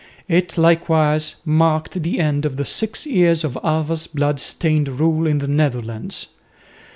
It likewise marked the end of the six years of Alva's blood stained rule in the Netherlands.